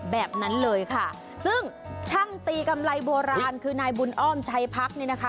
แบบนั้นเลยค่ะซึ่งช่างตีกำไรโบราณคือนายบุญอ้อมชัยพักเนี่ยนะคะ